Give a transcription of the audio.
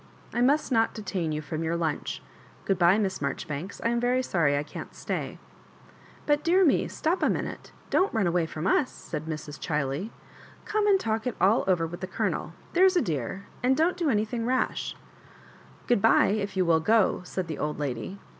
"I must not detain you from your lunch. Gtood'bye, Miss Marjoribanks ; I am very sorry I can't stay.'* " But, dear me, stop a mmute— don't run away from us," said Mrs. Chiley*.. " Come and talk it all over with the Colonel, there is a dear — and don't do anything rash. Good bye, if you will go," said the old lady.